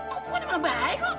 kok bukan emang bahaya kok